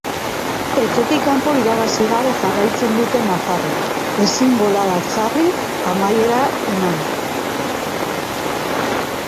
Etxetik kanpo irabazi gabe jarraitzen dute nafarrek, ezin bolada txarrarik amaiera eman.